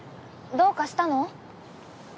どうかしたの？